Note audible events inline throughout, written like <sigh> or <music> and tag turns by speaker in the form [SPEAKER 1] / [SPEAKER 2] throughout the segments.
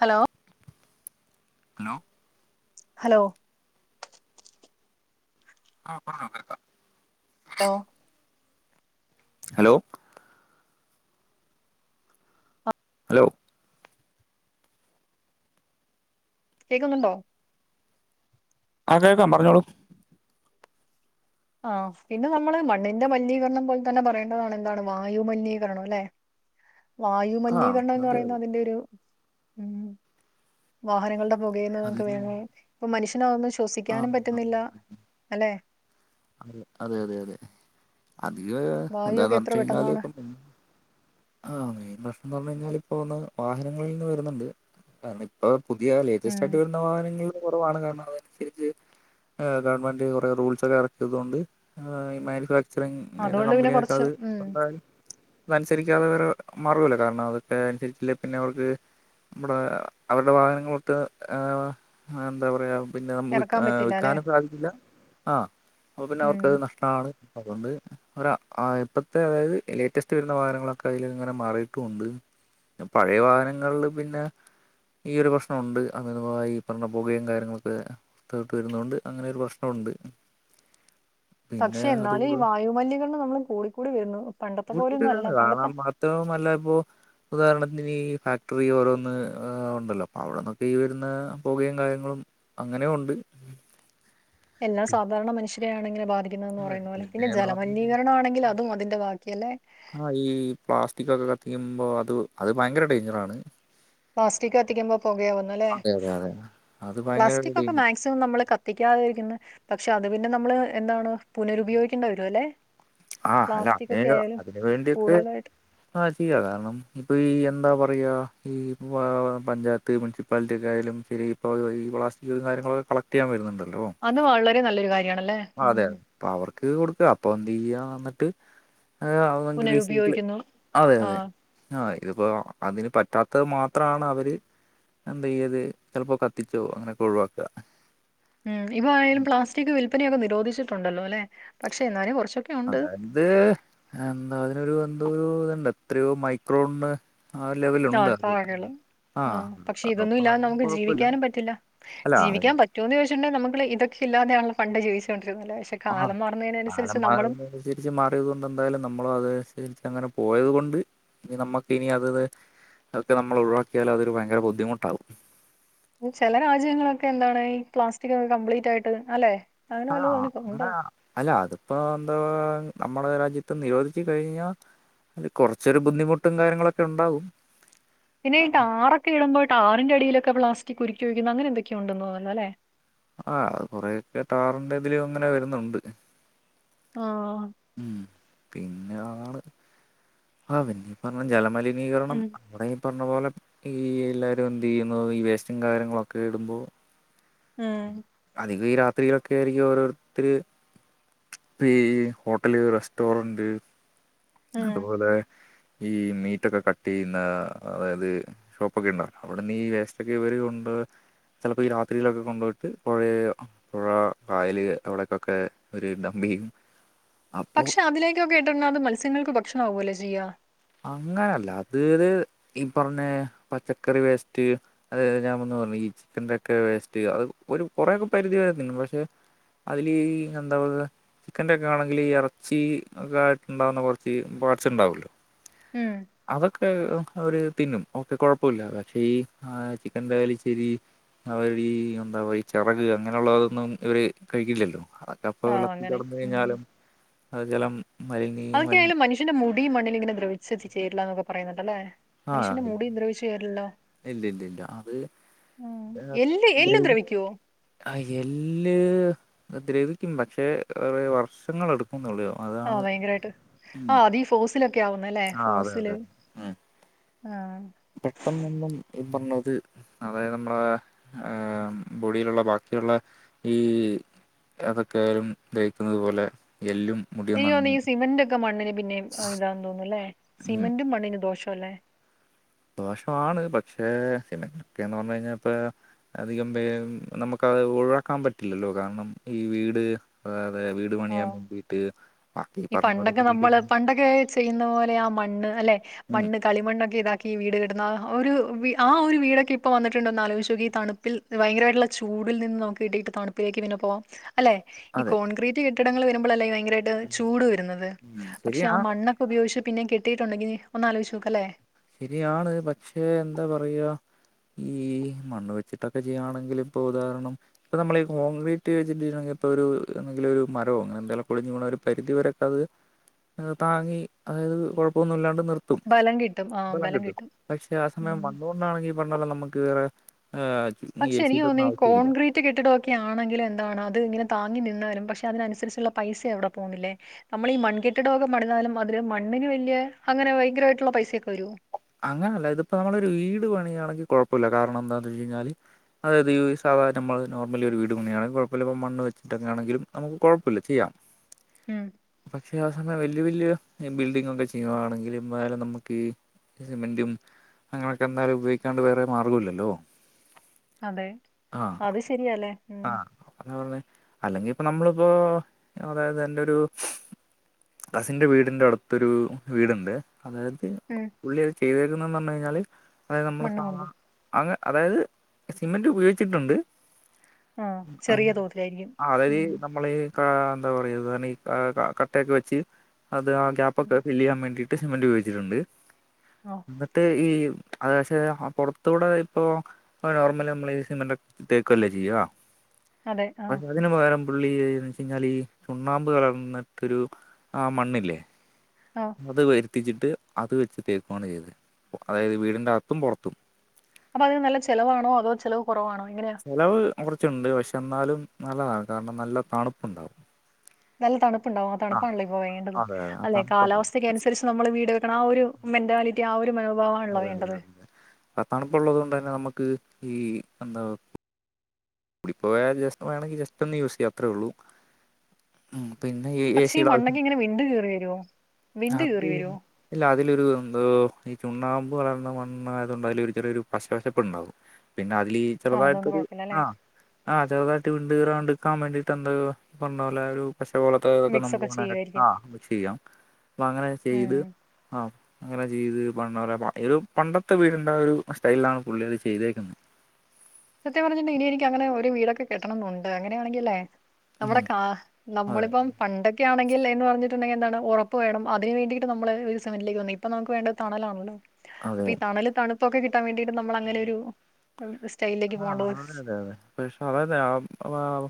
[SPEAKER 1] Hello
[SPEAKER 2] hello
[SPEAKER 1] hello
[SPEAKER 2] ആപറഞ്ഞോ കേക്കാം
[SPEAKER 1] hello
[SPEAKER 2] hello hello
[SPEAKER 1] കേക്കുന്നുണ്ടോ
[SPEAKER 2] ആ കേൾക്കാം പറഞ്ഞോളൂ
[SPEAKER 1] ആപിന്നെ നമ്മള് മണ്ണിന്റെ മലിനീകരണം പോലെ തന്നെ പറയേണ്ടതാണ് എന്താണ് വായുമലിനീകരണം അല്ലെ ആ
[SPEAKER 2] ആഹ്
[SPEAKER 1] വായുമലിനീകരണം എന്ന്
[SPEAKER 2] അതെ
[SPEAKER 1] പറയുന്ന
[SPEAKER 2] അതെ
[SPEAKER 1] അതിന്റെ ഒരു ഉ വാഹനങ്ങളുടെ പുകേന്ന് ഒക്കെ
[SPEAKER 2] അതിന്
[SPEAKER 1] വരുന്നത അപ്പൊ മനുഷ്യന് അതൊന്നും ശ്വസിക്കാനും പറ്റുന്നില്ല അല്ലെ
[SPEAKER 2] അത അതെ അതെ അതെ അധികം എന്താന്ന്
[SPEAKER 1] വായുവൊക്കെ എത്ര
[SPEAKER 2] വച്ച്ച്ച് കഴിഞ്ഞാല്
[SPEAKER 1] പെട്ടെന്നാണ്
[SPEAKER 2] ആമെയിൻ പ്രശ്നം എന്ന് പറഞ്ഞഞ് കഴിഞ്ഞാൽ ഇപ്പൊ ഒന്ന് വാഹനങ്ങളിൽ നിന്ന് വരുന്നുണ്ട് കാരണം ഇപ്പൊ പുതിയ ലേറ്റസ്റ്റ്
[SPEAKER 1] ഉം
[SPEAKER 2] ആയിട്ട് വരുന്ന വാഹനങ്ങൾ കുറവാണ് കാരണം അതനുസരിച്ച് ഗവൺമെന്റ് കൊറെ റൂൾസ് ഒക്കെ ഇറക്കിയ ത്‌ കൊണ്ട് മാനുഫാക്
[SPEAKER 1] അതുകൊണ്ട് പിന്നെ
[SPEAKER 2] കമ്പനിയായിട്ട്
[SPEAKER 1] കൊറച്ച്
[SPEAKER 2] അത്
[SPEAKER 1] ഉം
[SPEAKER 2] മാ അല്ലാതെ വേറെ മാർഗവമല്ല കാരണം അതൊക്കെ അനുസരിച്ചില്ലെ പിന്നെ അവർക്ക് നമ്മടെ അവരുടെ വാഹനങ്ങളടുത്ത് എന്താ പറയാ പിന്നെ നമുക്ക് വി
[SPEAKER 1] ഇറക്കാൻ പറ്റില്ല അല്ലെ
[SPEAKER 2] വിൽക്കാനും സാധിക്കില്ല ആ അപ്പ പിന്നെ
[SPEAKER 1] ഉം
[SPEAKER 2] അവർക്കത് നഷ്ടമാണ് അതുകൊണ്ട് ഇപ്പഴത്തെ അതായത് ലേറ്റസ്റ്റ് വരുന്ന വാഹനങ്ങൾ അതിൽ ഇങ്ങനെ മാറിയിട്ടുണ്ട് പഴയ വാഹനങ്ങളില് പിന്നെ ഈ ഒരു പ്രശ്നമുണ്ട് അതിനായി ഈ പറഞ്ഞ പുകയും കാര്യങ്ങളൊക്കെട്ട് വരുന്നുണ്ട് അങ്ങനെ ഒരു പ്രശ്നമുണ്ട് ഉണ്ട്
[SPEAKER 1] പക്ഷെ എന്നാലും ഈ വായുമലിനീകരണം നമ്മള് കൂടിക്കൂടി വരുന്നു പണ്ടത്തെ പോലെയൊന്നും അല്ല
[SPEAKER 2] കൂടിക്കൂടിവരാണ്
[SPEAKER 1] പണ്ടത്തെ
[SPEAKER 2] കാരണം മാത്രമല്ല ഇപ്പൊ ഉദാഹരണത്തിന് ഫാക്ടറി ഓരോന്ന് ഉണ്ടല്ലോ അപ്പോൾ അവിടെന്നൊക്കെ ഈ വരുന്ന പുകയും കാര്യങ്ങളും അങ്ങനെയുംഉണ്ട്
[SPEAKER 1] എല്ലാം സാധാരണ മനുഷ്യരെയാണ് ഇങ്ങനെ ബാധിക്കുന്നെ
[SPEAKER 2] അതെ
[SPEAKER 1] പറയുന്ന പോലെ പിന്നെ
[SPEAKER 2] പിന്നേന്ന് പറഞ്ഞ
[SPEAKER 1] ജലമലിനീകരണ ആണെങ്കിൽ അതും അതിന്റെ ബാക്കിയല്ലെ
[SPEAKER 2] കഴിയുമ്പോൾ അത് അത് ഭയങ്കര ഡേഞ്ചറാണ്
[SPEAKER 1] പ്ലാസ്റ്റിക് കത്തിക്കുമ്പോ പുകയാവുന് അല്ലേ
[SPEAKER 2] അതെ അതെ അതെ. അത് ഭയങ്കര ഒരു
[SPEAKER 1] പ്ലാസ്റ്റിക് ഒക്കെ
[SPEAKER 2] ഡേഞ്ച്
[SPEAKER 1] മാക്സിമം നമ്മള് കത്തിക്കാതെ ഇരിക്കുന്നു പക്ഷെ അത്. പിന്നെ നമ്മള് എന്താണ് പുനരുപയോഗിക്കേണ്ടി വരുമല്ലെ
[SPEAKER 2] ആ് അല്ല അതിന അതിനന് വേണ്ടി ഒക്കെ
[SPEAKER 1] കൂടുതലായിട്ട്
[SPEAKER 2] ആ ചെയ്യാ കാരണം ഇപ്പൊ ഈ എന്താ പറ എന്ത പറയുക ഈ പഞ്ചായത്ത് മുനിസിപ്പാലിറ്റി ഒക്കെ ആയാലും ശരി ഇപ്പോൾ ഈ പ്ലാസ്റ്റിക്ും കാര്യങ്ങളൊക്കെ കളക്ട് ചെയാൻ വരുന്നുണ്ട്
[SPEAKER 1] അത് വളരെ നല്ലൊരു കാര്യം
[SPEAKER 2] അതെ അതെ അപ്പൊ അവർക്ക് കൊടുക്ക അപ്പൊ എന്ത് ചെയ്യാ വന്നിട്ട് അവൻ റീൽസില്
[SPEAKER 1] പുനരുപയോഗിക്കുന്നു
[SPEAKER 2] അതെ
[SPEAKER 1] ആ
[SPEAKER 2] അതെ ആ ഇതിപ്പോ അതിന് പറ്റാത്തത് മാത്രമാണ് അവര് എന്താ ചെയ്യത് ചിലപ്പോ കത്തിച്ചോ അങ്ങനെയൊക്കെ ഒഴിവാക്കുക
[SPEAKER 1] ഉം ഇപ്പ ആയാലും പ്ലാസ്റ്റിക് വിൽപ്പനയൊക്കെ നിരോധിച്ചിട്ടുണ്ടല്ലോ അല്ലെ പക്ഷെ എന്നാലും കുറച്ച്
[SPEAKER 2] അതായത് എന്താ അതിനൊരു എന്തോ ഒരു ഇണ്ട് എത്രയോ മൈക്രോണ് ആ ലെവല് ഉണ്ടത്
[SPEAKER 1] ആഹ് പക്ഷെ ഇതൊന്നും ഇല്ലാതെ നമുക്ക് ജീവിക്കാനും പറ്റില്ല
[SPEAKER 2] അല്ല
[SPEAKER 1] ജീവിക്കാൻ പറ്റോന്ന് ചോ പണ്ട് നമ്മള് ഇതക്കെ ഇല്ലാതെയാണ് പണ്ട് ജീവിച്ചോ
[SPEAKER 2] ആഹ് കാലം മാറിയതിനുസരിച്ച് മാറിയത് കൊണ്ട് എന്തായാലും നമ്മളും അതനുസരിച്ച് അങ്ങനെ പോയത് കൊണ്ട് ഇനി നമ്മുക്ക് ഇനി അത് അതൊക്കെ നമ്മൾ ഒഴിവാക്കിയാൽ അതൊരു ഭയങ്കര ബുദ്ധിമുട്ടാകും
[SPEAKER 1] ചില രാജ്യങ്ങളൊക്കെ എന്താണ് ഈ പ്ലാസ്റ്റിക്ക് കംപ്ലീറ്റ് ആയിട്ട് അല്ലെ അങ്ങനെ വല്ലതും ഉണ്ടോ
[SPEAKER 2] അല്ല അതിപ്പോ എന്തോ നമ്മുടെ രാജ്യത്ത് നിരോധിച്ച് കഴിഞ്ഞാൽ അത് കൊറച്ചൊരു ബുദ്ധിമുട്ടും കാര്യങ്ങളൊക്കെ ഉണ്ടാവും
[SPEAKER 1] പിന്നെ ടാറ്ക്കെ ഇടുമ്പോ ടാറിന്റെ അടിയിലെ പ്ലാസ്റ്റിക് കുരുക്കി ഒഴിക്കുന്ന അങ്ങനെ എന്തൊക്കെയ ഉണ്ടെന്ന്ന്നല്ലേ
[SPEAKER 2] ആഹ് കൊറെക്കെ ടാറിന്റെ ഇതിലും അങ്ങനെ വരുന്നുണ്ട്
[SPEAKER 1] ആഹ്
[SPEAKER 2] പിന്നാണ് ആഹ് പിന്നീ പറഞ്ഞ ജലമലിനീകരണം
[SPEAKER 1] ഉം
[SPEAKER 2] അവിടെ പറഞ്ഞ പോലെ ഈ എല്ലാവരും എന്ത് ചെയ്യുന്നു ഈ വേസ്റ്റും കാര്യങ്ങളൊക്കെ ഇടുമ്പോൾ
[SPEAKER 1] ഉം
[SPEAKER 2] ഇത് ഈ രാത്രിയിലൊക്കെ ആയിരിക്കും ഓരോരുത്തര് ഇപ്പ ഹോട്ടല് റെസ്റ്റോറന്റ്
[SPEAKER 1] ഉം
[SPEAKER 2] അതുപോലെ ഈ മീറ്റൊക്കെ കട്ട് ചെയ്യുന്ന അതായത് ഷോപ്പ് ഒക്കെ ഉണ്ടല്ലോ അവിടെന്ന് ഈ വേസ്റ്റ് ഒക്കെ ഇവര് കൊണ്ട് <unintelligible> ചിലപ്പോ ഈ രാത്രിയിലൊക്കെ കൊണ്ട് പോയിട്ട് പുഴയ പുഴ കായല് അവിടെക്കൊക്കെ ഒരു ഡമ്പി ഉം
[SPEAKER 1] പക്ഷെ അതിലേക്കൊക്കെ ഇട്ടാൽ അത് മത്സ്യങ്ങൾക്ക് ഭക്ഷണ ആവല്ലേ ചെയ്യാ
[SPEAKER 2] അങ്ങനെയല്ല അത് ഈ പറഞ്ഞ പച്ചക്കറി വേസ്റ്റ് അത് ഞാൻ വ പറഞ്ഞ ഈ ചിക്കൻന്റെ ഒക്കെ വേസ്റ്റ് അത് ഒരു കൊറെൊക്കെ പരിധി വരെ പക്ഷെ അതില് എന്താ പറ ചിക്കന്റെ ഒക്കെ ആണെങ്കിൽ ഈ ഇറച്ചി ഒക്കെ ആയിട്ട്ണ്ടാവുന്ന കുറച്ച് പാച്ച ഉണ്ടാവല്ലോ
[SPEAKER 1] ഉം
[SPEAKER 2] അവൊക്ക് അവര് തിന്നും ഓക്കെ കുഴപ്പമില്ല പക്ഷെ ഈ ആ ചിക്കന്റെയാലി ശരി അവർ ഈ എന്താ ഈ ചിറക് അങ്ങനെയുള്ളതൊന്നും ഇവര് കഴിക്കില്ലല്ലോ അതൊക്കെ അപ്പ
[SPEAKER 1] ആഹ്
[SPEAKER 2] വെളളത്തില്
[SPEAKER 1] അങ്ങനെ
[SPEAKER 2] കിടന്ന
[SPEAKER 1] ഉം
[SPEAKER 2] കഴിഞ്ഞാലും അത് ജലം മലിനീ മലി
[SPEAKER 1] ഈ മണ്ണിൽയിങ്ങനെ ദ്രവിച്ചു ചേരില്ല എന്നന്നൊക്കെ പറയുണ്ട് അല്ലേ
[SPEAKER 2] ആഹ് ഇല്ല ഇല്ല ഇല്ല അത്
[SPEAKER 1] ഉം എല്ല് എല്ല് ദ്രവിക്കുവോ
[SPEAKER 2] ആഹ് എല്ല് ദ്രവിക്കും പക്ഷേ വർഷങ്ങള് എടുക്കും
[SPEAKER 1] ആഹ് ഭയങ്കരായിട്ട് ആഹ് അതീ ഫോസിലൊക്കെ ആവുന്ന അല്ലേ
[SPEAKER 2] ആ അതെ
[SPEAKER 1] ഫോസില്
[SPEAKER 2] അതെ ഉം
[SPEAKER 1] ആഹ്
[SPEAKER 2] പെട്ടെന്നൊന്നും പറഞ്ഞത് അതായത് നമ്മളാ ബൊഡിയിലുള്ള ബാക്കിയുള്ള ഈ അതൊക്കെ ആലും ദഹിക്കുന്നത് പോലെ എല്ലും മുടിയൊന്നും
[SPEAKER 1] എനിക്ക് തോന്നുന്നു
[SPEAKER 2] അങ്ങനെ
[SPEAKER 1] ഈ സിമന്റ ഒക്കെ മണ്ണിൽ പിന്നെ ഇതാെന്ന് തോന്നുന്നല്ലേ
[SPEAKER 2] ഉം
[SPEAKER 1] സിമെന്റും മണ്ണിന് ദോഷ അല്ലേ
[SPEAKER 2] ദോഷമാണ് പക്ഷേ സിമന്റ്ക്കേ ന് പറഞ്ഞ് കഴിഞ്ഞാ ഇപ്പ അധികം പേരും നമുക്ക് അത് ഒഴിവാക്കാൻ പറ്റില്ലല്ലോ കാരണം ഈ വീട് അഹ്
[SPEAKER 1] ആഹ് ഈ
[SPEAKER 2] പറഞ്ഞ പോലെ
[SPEAKER 1] പണ്ടൊക്കെ നമ്മള്
[SPEAKER 2] ബിൽഡിങ്
[SPEAKER 1] പണ്ടൊക്കെ ചെയ്യുന്ന പോലെ ആ മണ്ണ് അല്ലെ
[SPEAKER 2] ഉം
[SPEAKER 1] മണ്ണ് കളിമണ്ണൊക്കെ ഇതാക്ക വീട് കേട്ടുന്ന ഒരു ആഹ് ഒരു വീടൊക്കെ ഇപ്പൊ വന്നിട്ടുണ്ടോന്ന് ആലോചിച്ചു നോക്കിയേ ഈ തണുപ്പിൽ ഭയങ്കരമായിട്ടുള്ള ചൂ ചുടിൽ നിന്നും നമ്മുക്ക് തണുപ്പിലേക്ക് തന്നെ പോവാ അല്ലെ
[SPEAKER 2] അതെ
[SPEAKER 1] കോൺക്രിറ്റ് കെട്ടിടങ്ങൾ വരുമ്പോ അല്ലേ ഭയങ്കര ആയിട്ട് ചൂട് വരുന്നത്
[SPEAKER 2] ഉം
[SPEAKER 1] പക്ഷേ ആ
[SPEAKER 2] ശരിയാണ്
[SPEAKER 1] മണ്ണക്കോ ഉപയോഗിച്ച് പിന്നെ കെട്ടിട്ടുണ്ടങ്കി ഒന്ന് ആലോചിച്ച് നോക്കല്ലേ
[SPEAKER 2] ശരിയാണ് പക്ഷെ എന്താ പറയാ ഈ മണ്ണണ് വെിട്ടൊക്കെ ചെയ്യുകയാണെങ്കിൽ ഇപ്പൊ ഉദാഹരണം ഇപ്പൊ നമ്മള ഈ കോൺക്രീറ്റ് വെച്ചി ഇപ്പോൊ ഒരു എന്തെില ഒരു മരോ അങ്ങനെ എന്തൊലും കൊളിഞ്ഞ പോണ ഒരു പരിധിവ വരൊക്കെ അത് താങ്ങി അതായത് കുഴപ്പൊന്നുമ ഇല്ലാണ്ട് നിർത്തും
[SPEAKER 1] ബലം കിട്ടും ആ ബലം
[SPEAKER 2] <unintelligible>
[SPEAKER 1] കിട്ടും
[SPEAKER 2] പക്ഷെ ആ സമയം
[SPEAKER 1] ഉം
[SPEAKER 2] വന്നുകൊണ്ടാണെങ്കിൽ പറഞ്ഞല്ല നമുക്ക് വേറെ ഈ
[SPEAKER 1] പക്ഷെ
[SPEAKER 2] എ
[SPEAKER 1] എനിക്ക്
[SPEAKER 2] സിയുടെ ഒന്നും
[SPEAKER 1] തോന്നുന്നു ഈ
[SPEAKER 2] ആവശ്യമില്ല
[SPEAKER 1] കോൺക്രീറ്റ് കെട്ടിടമൊക്കെ ആണെങ്കിലും എന്താണ് അത് ഇങ്ങനെ താങ്ങി നിന്നാലും പക്ഷെ അതിനനുസരിച്ചുള്ള പൈസ അവിടെ പോകുന്നില്ല നമ്മൾ ഈ മൺകെട്ടിടമക്കെ മരുന്നാലും അതില് മ അന് വല്ിയ അങ്ങനെ ഭയങ്കരമായിട്ടുള്ള പൈസൊക്കെ വരുോ
[SPEAKER 2] അങ്ങനെയല്ല ഇതിപ്പ നമ്മളൊ ഒരു വീട് പണിയാണെങ്കിൽ കുഴപ്പമില്ല കാരണം എന്താന്ന് വെച്ചച്ച് കഴിഞ്ഞാല് അതായത് ഈ നമ്മ നോർമല ഒരു വീട്ണിയണെങ്ക കുഴപ്പില്ലപ്പ മണ് വെച്ചിട്ട്ക്കൊണെങ്കില നമുക്ക് കുഴപ്പമില്ല ചെയ്യാം
[SPEAKER 1] ഉം
[SPEAKER 2] ബക്ഷ അനെ വല്യ വല്യ ബിൽഡിങ് ഒക്കെ ചെയ്യുവാണെങ്കിൽ എായാലും നമുക്ക് ഈ സിമെന്റും അങ്ങനെയൊക്കെ എന്തായാലും ഉപയോഗിക്കാണ്ട് വേറെ മാർഗം ഇല്ലല്ലോ
[SPEAKER 1] അതെ അത് ശരിയല്ലേ ഉം
[SPEAKER 2] ആ അ പറഞ്ഞ അല്ലെങ്കി ഇപ്പൊ നമ്മളിപ്പോൊ അതായത് എന്റെ ഒരു കസിന്റെ വീടിന്റെ അടുത്തൊരു വീടുണ്ട് അതായത്
[SPEAKER 1] ഉം
[SPEAKER 2] പുള്ളിത് ചെയ്തേക്കുന്നെന്ന് പറഞ്ഞഞ് കഴിഞ്ഞാൽ അതായത് നമ്മൾ
[SPEAKER 1] മണ്ണ് കൊണ്ട്
[SPEAKER 2] <unintelligible> അതായത് സിമെന്റ് ഉപയോഗിച്ചിട്ടുണ്ട്
[SPEAKER 1] ആ
[SPEAKER 2] ആ
[SPEAKER 1] ചെറിയ തോതിലായിരിക്കും
[SPEAKER 2] അതരി
[SPEAKER 1] ഉം
[SPEAKER 2] നമ്മള് <unintelligible> എന്താ പറയ കട്ടയൊക്കെ വെച്ച് അത് ആ ഗ്യാപ്പൊക്കെ
[SPEAKER 1] ഉം.
[SPEAKER 2] ഫില് ചെയ്യാൻ വേണ്ടിട്ട് സിമെന്റ് ഉപയോഗിച്ചിട്ടുണ്ട് <unintelligible> <unintelligible>
[SPEAKER 1] ആ
[SPEAKER 2] ക്ഷെ പൊറത്ത കൂടെ ഇപ്പൊ നോർമല നമ്മള് ഈ സിമെന്റ് തേക്കുവല്ലേ ചെയ്യ
[SPEAKER 1] അതെ ആ
[SPEAKER 2] <unintelligible> തിന്ു പകരം ുള്ളിന്ന് വെച്ചച്ച് കഴിഞ്ഞാൽ ഈ ചുണ്ണാമ്പ് കളർന്നിട്ടൊരു ആ മണ്ണില്ലേ
[SPEAKER 1] ആ
[SPEAKER 2] അത് വരുത്തിച്ചിട്ട് അത് വെച്ച് തേക്കുകയാണ് ചെയ്തത് അതായത് വീടിന്റെ അകത്തും പുറത്തും
[SPEAKER 1] അപ്പൊ അതിന് നല്ല ചെിലവാണോ അതോ ചെിലവ് കുറവാണോ എങ്ങനെയാ
[SPEAKER 2] ചെിലവ് കുറച്ചുണ്ട് പക്ഷെ എന്നാലും നല്ലതാണ് കാരണം നല്ല തണുപ്പുണ്ടാവും
[SPEAKER 1] നല്ല തണുപ്പു ണ്ടാാവും ആ തണുപ്പാണല്ലോ ഇപ്പൊ വേണ്ടത്
[SPEAKER 2] അതെ അതെ ആ
[SPEAKER 1] അല്ലെ
[SPEAKER 2] തണുപ്പുണ്ടാവും
[SPEAKER 1] കാലാവസ്ഥക്ക് അനുസരിച്ച് നമ്മൾ വീട് വെക്കണം ആ ഒരു മെന്റാലിറ്റി ആ ഒരു മനോഭാവമാണല്ലോ
[SPEAKER 2] അതെ
[SPEAKER 1] വേണ്ടത്
[SPEAKER 2] അതെ അതെതെ തണുപ്പ ഉള്ളത് കൊണ്ട് തന്നെ നമുക്ക് ഈ എന്താ കൂടിപ്പോ ജസ് വേണെങ്കിൽ ജസ്റ്റ് ഒന്ന് യൂസ് ചെയ്യ അത്രേ ഉള്ളൂ ഉ പിന്നെ ഈ ഏ
[SPEAKER 1] പക്ഷെ മണ്ണൊക്കെ
[SPEAKER 2] സിുടൊവശ്യം
[SPEAKER 1] ഇങ്ങനെ വിണ്ട് കീറി വരുവോ വിണ്ട്
[SPEAKER 2] അത്
[SPEAKER 1] കീറി വരുവോ
[SPEAKER 2] ഇല്ല അതില ഇരുന്തോ ചുണ്ണാമ്പ് വളർന്ന മണ്ണയതുകൊണ്ട് അതില ഒരു ചെറിയ ഒരു പശവശപ്പ്ണ്ടാവും പിന്നെ <unintelligible>
[SPEAKER 1] ആ
[SPEAKER 2] ചെറുതായിട്ടൊ
[SPEAKER 1] അതുകൊണ്ട്
[SPEAKER 2] ഒരു
[SPEAKER 1] കുഴപ്പമില്ല അല്ലേ
[SPEAKER 2] ആ ആ് ചെറുതായിട്ട് <unintelligible> പച്ചേലത്തെ ഇതൊക്കെ
[SPEAKER 1] മിക്സ്
[SPEAKER 2] നമുക്ക്
[SPEAKER 1] ഒക്കെ
[SPEAKER 2] വണ
[SPEAKER 1] ചെയ്യുമായിരിക്കും
[SPEAKER 2] ആ നമുക്ക് ചെയ്യാം അപ്പൊ അങ്ങനെ
[SPEAKER 1] ഉം
[SPEAKER 2] ചെയ്ത് ആ അങ്ങനെ ചെയ്ത് <unintelligible> പണ്ടത്തെ വീടിന്റെ ഒരു സ്റ്റൈല ആണ് പുള്ളിര് ചെയ്തേക്കുന്നത്
[SPEAKER 1] സത്യം പറഞ്ഞട്ട ഇനി എനിക്ക് അങ്ങനെ ഒരു വീടൊക്കെ കെട്ടണം എന്നുണ്ട് അങ്ങനെയാണെങ്കിൽ അല്ലേ നമ്മുടെ
[SPEAKER 2] ഉം
[SPEAKER 1] കാ
[SPEAKER 2] അതെ
[SPEAKER 1] നമ്മളിപ്പം പണ്ടൊക്കെ ആണെങ്ക ൽ എ പറഞ്ഞിട്ടണ്ടെിൽ എന്താണ് ഉറപ്പ് വേണം അന് വേണ്ടിട്ട്മ്മ ഒരു സമന്ലേക്ക് വന്ന ഇപ്പ നമുക്ക് വേണ്ട തണലാണല്ലോ
[SPEAKER 2] അതെ
[SPEAKER 1] അപ്പൊ ഈ തണല് തണുപ്പൊക്കെ കിട്ടാൻ വേണ്ടിട്ട് നമ്മൾ അങ്ങനെ ഒരു സ്റ്റൈലിലേക്ക്
[SPEAKER 2] ആ
[SPEAKER 1] പോകേണ്ടത്
[SPEAKER 2] അതെ അതെ അതെ പക്ഷെ അതതെ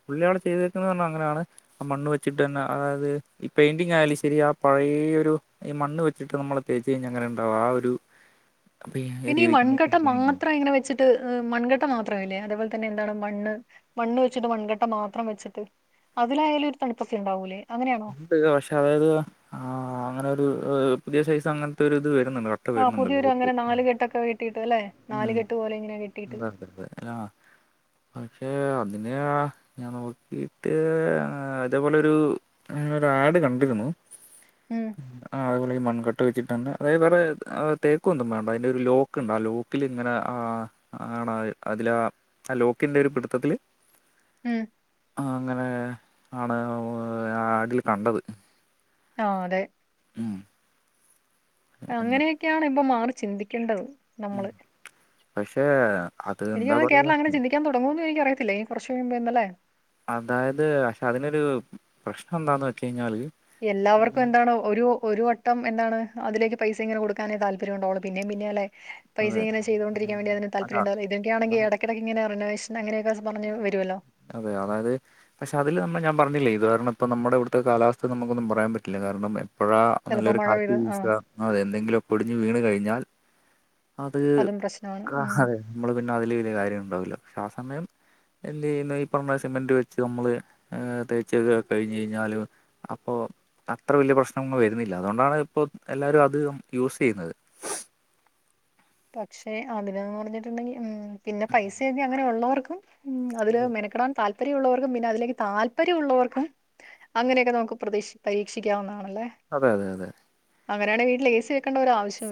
[SPEAKER 2] പുള്ളി അവിടെ ചെയ്തി പറഞ്ഞ അങ്ങനെയാണ് ആ മണ്ണ് വെച്ചിട്ട് തന്നെ അതായത് ഈ പെയിന്റിങ് ആയാലും ശെരി ആ പഴയ ഒരു മണ് വച്ചിട്ട് നമ്മള് തേച്ച് കഴിഞ്ഞ അങ്ങനെണ്ടും ആ ഒരു അപ്പൊ
[SPEAKER 1] പിന്നെ ഈ
[SPEAKER 2] രീതിക്ക് നമുക്ക്
[SPEAKER 1] മൺകട്ട
[SPEAKER 2] ഇതൊന്നുമില്ല.
[SPEAKER 1] മാത്രം ഇങ്ങനെ വെച്ചി മൺകട്ട മാത്രമല്ലേ അതേപോലെ തന്നെ എന്താണ് മണ്ണ് മണ്ണ് വെച്ചിട്ട് മൺകട്ട മാത്രം വെച്ചിട്ട് അതിലായാലും ഒരു തണുപ്പക്ക് ഉണ്ടാവൂലേ അങ്ങനെയാണോ
[SPEAKER 2] ഉണ്ട് പക്ഷെ അതായത് ആ അങ്ങനെ ഒരു പുതിയ സൈസ് അങ്ങനത്തെ ഒരു ഇത് വരും കട്ട
[SPEAKER 1] ആ
[SPEAKER 2] വരുന്നുണ്ടല്ലോ
[SPEAKER 1] പുതിയൊരു
[SPEAKER 2] ഓക്കേ
[SPEAKER 1] അങ്ങനെ നാല് കെട്ടൊക്കെ കെട്ടിയിട്ട് അല്ലെ നാല്
[SPEAKER 2] ഉം
[SPEAKER 1] കെട്ട് പോലെ ഇങ്ങനെ കെട്ടിയിട്ട്
[SPEAKER 2] അതത അ പക്ഷെ പക്ഷേ അതിനെ ഞാൻ നോക്കിയിട്ട് അതെ പോലൊരു ഞാനൊരു ആഡ് കണ്ടിരുന്നു
[SPEAKER 1] ഉം
[SPEAKER 2] ആഹ് അപോല മൺക ഒട്ട വെച്ചിട്ടന്നെ അതായത് വേറെ തേക്കുംന്നും വേണ്ട അതിന്റെ ഒരു ലോക്കുണ്ട് ആ ലോക്ക് ലോക്കിലിങ്ങനെ ആ ആണ് അതിലാ ആ ലോക്കിന്റെ ഒരു പിടുത്തത്തില്
[SPEAKER 1] ഉം
[SPEAKER 2] ആ അങ്ങനെ ആണ് ആഡിൽ കണ്ടത്
[SPEAKER 1] ആ അതെ
[SPEAKER 2] ഉം എന്ന്
[SPEAKER 1] അങ്ങനെയൊക്കെയാണ് ഇപ്പൊ മാറി ചിന്തിക്കേണ്ടത് നമ്മള്
[SPEAKER 2] പക്ഷേ അത്
[SPEAKER 1] എനിക്ക്
[SPEAKER 2] എന്താ
[SPEAKER 1] തോന്നുന്നു
[SPEAKER 2] പറയാ
[SPEAKER 1] കേരളം അങ്ങനെ ചിന്തിക്കാൻ തുടങ്ങൂന്ന് എനിക്ക് അറിയത്തില്ല നി കുറച്ച് മുമ്പിന്നാലേ
[SPEAKER 2] അതായത് പക്ഷെ അതിനൊരു പ്രശ്നം എന്താന്ന് വെച്ച കഴിഞ്ഞാല്
[SPEAKER 1] എല്ലാവർക്കും എന്താണ് ഒരു ഒരു വട്ടം എന്താണ് അതിലേക്ക് പൈസ ഇങ്ങനെ കൊടുക്കാനേ താല്പര്യ ഉണ്ടാവുള്ള പിന്നേ പിന്നെ അല്ലേ പൈസ
[SPEAKER 2] അതെ
[SPEAKER 1] ഇങ്ങനെ ചെയ്തൊണ്ടിരിക്കാൻ വേണ്ടി അതിൽ
[SPEAKER 2] അതാ
[SPEAKER 1] താല്പര്യം ഉണ്ടും ഇതൊക്കെയണെങ്ക
[SPEAKER 2] അതാണ്.
[SPEAKER 1] ഇടക്ക് ഇടക്ക് ഇങ്ങനെ പറഞ്ഞ
[SPEAKER 2] അതെ അതായത് പക്ഷെ അതില് നമ്മള് ഞാ പറഞ്ഞില്ലേ ഇത് കാരണം ഇപ്പോൾ നമ്മുടെ ഇവിടുത്തെ കാലാവസ്ഥ നമുക്കൊന്നും പറയാൻ പറ്റില്ല കാരണം അപ്പഴ
[SPEAKER 1] ചിലപ്പോ
[SPEAKER 2] നല്ലൊരു
[SPEAKER 1] മഴ
[SPEAKER 2] കാറ്റ്
[SPEAKER 1] പെയ്ത് ആ
[SPEAKER 2] വീശുക അതെ എന്തെങ്കിലും ഒക്കേ ഒടിഞ്ഞു വീണ് കഴിഞ്ഞാൽ അത്
[SPEAKER 1] അതും പ്രശ്നമാണ് ഉം
[SPEAKER 2] അതെ നമ്മള് പിന്നെ അതില് വലിയ കാര്യം ഉണ്ടാവില്ലോ പക്ഷെ ആ സമയം എന്ത് ചെയ്യുന്നു ഈ പറഞ്ഞ സിമെന്റ് വെച്ച് നമ്മള് തേച്ചൊക്കെ കഴിഞ്ഞ് കഴിഞ്ഞാല് അപ്പോ അത്ര വലിയ പ്രശ്നമൊന്നും വരുന്നില്ല അതുകൊണ്ടാണ് ഇപ്പോ എല്ലാവരും അത് യൂസ് ചെയ്യുന്നത്
[SPEAKER 1] പക്ഷെ അതിന്ന് പറഞ്ഞിട്ടുണ്ടെങ്കിൽ ഉം പിന്നെ പൈസയൊക്കെ അങ്ങനെ ഉള്ളവർക്കും ഉം അതില് മെനക്കടാൻ താല് താല്പര്യമുള്ളവർക്കും പിന്നെ അതിലേക്ക് താല്പര്യം ഉള്ളവർക്കും അങ്ങനെയൊക്കെ നമുക്ക് പ്രതീക്ഷ പരീക്ഷിക്കാവുന്നതാണ്
[SPEAKER 2] അതെ അതെ അതെ
[SPEAKER 1] അങ്ങനെയാണ് വീട്ടിൽ എ സി വെക്കേണ്ട ഒരു ആവശ്യം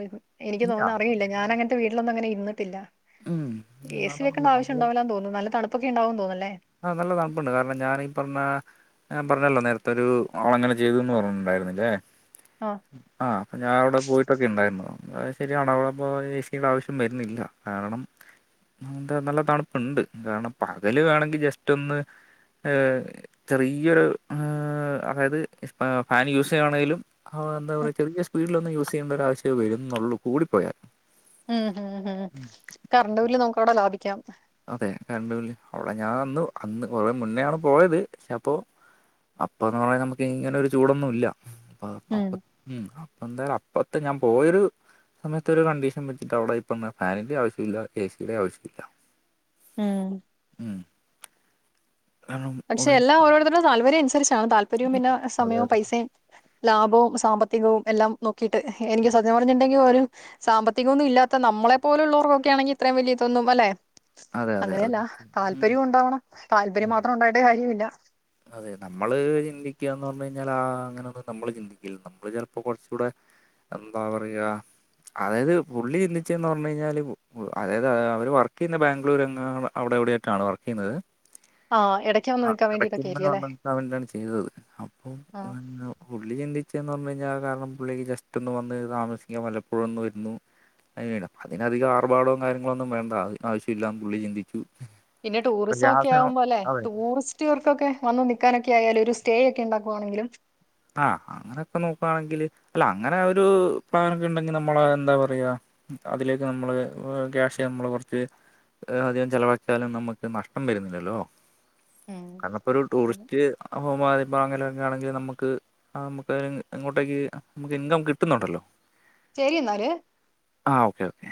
[SPEAKER 1] എനിക്ക്
[SPEAKER 2] ഇല്ല
[SPEAKER 1] തോന്ന അറിയില്ല ഞാനങ്ങനത്തെ വീട്ടിലൊന്നും അങ്ങെ ഇരുന്നുട്ടില്ല
[SPEAKER 2] ഉം
[SPEAKER 1] ഏ സി വെക്കേണ്ട
[SPEAKER 2] അതൊണ്ട്
[SPEAKER 1] ആവശ്യം
[SPEAKER 2] നമ്മള്
[SPEAKER 1] ഉണ്ടാവില്ലാന്ന് തോന്നുന്നു നല്ല തണുപ്പൊക്കെണ്ടാവുമെന്ന് തോന്നല്ലേ
[SPEAKER 2] ആ നല്ല തണുപ്പുണ്ട് കാരണം ഞാനീ പറഞ്ഞ പറഞ്ഞല്ലോ നേരത്തെ ഒരു ആള് അങ്ങനെ ചെയ്തുന്ന് പറഞ്ഞിട്ടുണ്ടായിരുന്നില്ലേ
[SPEAKER 1] ആഹ്
[SPEAKER 2] ആഹ് അപ്പൊ ഞാൻ അവിടെ പോയിട്ടൊക്കെ ഉണ്ടായിരുന്നു ശരി അണവളപ്പ ചശിയുടെ ആവശ്യം വരുന്നില്ല കാരണം എന്താ നല്ല തണുപ്പുണ്ട് കാരണം പകല് വേണെങ്കിൽ ജസ്റ്റ് ഒന്ന് ചെറിയൊരു അതായത് ഫാന് യൂസ് ചെയ്യയാണെങ്കിലും ആ എന്താ പറയാ ചെറിയ സ്പീഡിൽ ഒന്ന് യൂസ് ചെയ്യേണ്ട ഒരവശ്യം വരുന്നുള്ളൂ കൂടിപ്പോയാ
[SPEAKER 1] ഉം ഹം ഹം കറണ്ട് ബില്ല് നമുക്ക് അവിടെ ലാഭിക്കാം
[SPEAKER 2] അതെ കറണ്ട് അവിടെ ഞാൻ അന്ന് അന്ന് കുറേ മുന്നേ ആണ് പോയത് പക്ഷെ അപ്പോൊ അപ്പന്ന് പറഞ്ഞൽ നമുക്ക് ഇങ്ങനെ ഒരു ചൂടൊന്നും ഇല്ല അപ്പ
[SPEAKER 1] ഉം
[SPEAKER 2] അപ്പൊ പ്പ എന്തായാലും അപ്പത്തെ ഞാൻ പോയരു സമയത്ത് ഒരു കണ്ടീഷൻ വെച്ചിട്ട് അവിടെ ഇപ്പ ഫാനിന്റെ ആവശ്യം ഇല്ല ഏ സിയുടെ ആവശ്യമില്ല
[SPEAKER 1] ഉം
[SPEAKER 2] ഉം കാരണം
[SPEAKER 1] പക്ഷെ
[SPEAKER 2] ഉള്ള
[SPEAKER 1] എല്ലാം ഓരോരുത്തരുടെ താല്പര്യം അനുസരിച്ചാണ് താല്പര്യവും പിന്നെ
[SPEAKER 2] അതെ
[SPEAKER 1] സമയവും
[SPEAKER 2] അതെ
[SPEAKER 1] പൈസയും ലാഭവും സാമ്പത്തികവും എല്ലാം നോക്കിയിട്ട് എനിക്ക് സത്യം പറഞ്ഞിട്ടുണ്ടെങ്കിൽ ഒരു സാമ്പത്തികമൊന്നും ഇല്ലാത്ത നമ്മ നമ്മളെ പോലുള്ളവർക്കൊക്കെ ആണെങ്ക ഇത്രയും വലലിയ ഇതൊന്നും അല്ലെ
[SPEAKER 2] അതെ അതെ അത്
[SPEAKER 1] അങ്ങനെയല്ല
[SPEAKER 2] ഉം
[SPEAKER 1] താല്പര്യം ഉണ്ടാവണം താല്പര്യം മാത്ര കഴിയുല്ല
[SPEAKER 2] ന്ന് പറഞ്ഞ കഴിഞ്ഞാൽ ആ അങ്ങനെന്നും നമ്മള് ചിന്തിക്കില്ല നമ്മള് ചിലപ്പോ കുറച്ച കൂടെ എന്താ പറയാ അതായത് പുള്ളി ചിന്തിച്ചന്ന് പറഞ്ഞഞ് കഴിഞ്ഞാല് അതായത് അവര് വർക്ക് ചെയ്യുന്ന ബാംഗ്ലൂര് അവിടെ എവിടെ ആായിട്ടാണ് വർക്ക് ചെയ്യുന്നത്
[SPEAKER 1] ആ ഇടയ്ക്ക് വന്ന്
[SPEAKER 2] ആ
[SPEAKER 1] നിൽക്കാൻ
[SPEAKER 2] ഇടക്ക
[SPEAKER 1] വേണ്ടിയിട്ടൊക്കെ ആയിരിക്കും അല്ലേ
[SPEAKER 2] വണ്ടട്ടാണ് ചെയ്തത് അപ്പൊ
[SPEAKER 1] ആ
[SPEAKER 2] ഉള്ളി ചെണ്ടി ചച്ചന്ന് പറഞ്ഞു കഴിഞ്ഞാൽ കാരണം പിുള്ളേക്ക് ജസ്റ്റ് ഒന്ന് വന്ന് താമസിക്കാൻ പലപ്പോഴുംന്നന്ന് വരുന്നു അത് അതിനധികം ആർഭാടവും കാര്യങ്ങളോന്നും വേണ്ട ആവശ്യമില്ലാന്ന് പുള്ളി ചിന്തിച്ചു
[SPEAKER 1] പിന്നെ ടൂറിസം
[SPEAKER 2] പക്ഷെ ആ
[SPEAKER 1] ഒക്കെ
[SPEAKER 2] സമയം
[SPEAKER 1] ആകും പോലെ
[SPEAKER 2] അതെ
[SPEAKER 1] ടൂറിസം ർക്കൊക്കെ വന്ന് നിക്കക്കാനൊക്കെ ആയാലും ഒരു സ്റ്റേ ഒക്കെ ഉണ്ടാക്കുവാണെങ്കിലും
[SPEAKER 2] ആഹ അങ്ങനെയൊക്കെ നോക്കുകവാണെങ്കില് അല്ല അങ്ങനെ ആ ഒരു പ്ലൻൊക്കെ ഉണ്ടെങ്കി നമ്മളെ എന്താ പറയാ അതിലേക്ക് നമ്മള് ക്യാഷ് നമ്മള് കൊറച്ച് അധികം ചെലവാഴക്കിയാലും നമ്മുക്ക് നഷ്ടം വരുന്നില്ലല്ലോ
[SPEAKER 1] ഉം
[SPEAKER 2] ക ഇപ്പോ ഒരു
[SPEAKER 1] അതെ
[SPEAKER 2] ടൂറിസ്റ്റ് ഹോമപ്പോ അങ്ങനെയൊക്കെ ആണെങ്കിൽ നമുക്ക് ആ നമുക്ക് ഇങ്ങോട്ടേക്ക് നമുക്ക് ഇൻകം കിട്ടുന്നുണ്ടല്ലോ
[SPEAKER 1] ശരി എന്നാല്
[SPEAKER 2] ആ ഓക്കെ ഓക്കെ